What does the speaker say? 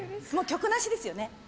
もう曲なしですよね？